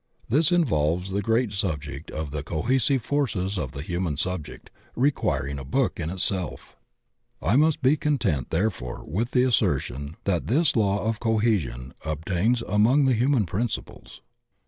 This involves the great subject of the cohesive forces of the human subject, requiring a book in itself. I must be content therefore with the assertion that this law of cohesion obtains among the human principles.